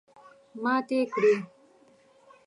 ماتې کړې.